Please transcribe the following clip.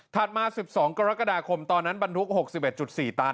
มา๑๒กรกฎาคมตอนนั้นบรรทุก๖๑๔ตัน